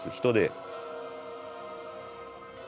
人で。